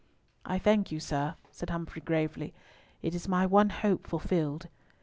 "I thank you, sir," said Humfrey, gravely; "it is my one hope fulfilled."